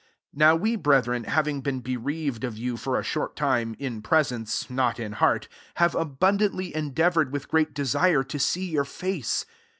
17 NOW we, brethren, hav ing been bereaved of you for a short time, in presence, not in heart, have abundantly en deavoured with great desire to see your face.